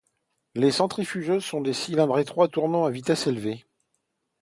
Les centrifugeuses sont des cylindres étroits tournant à vitesse élevée.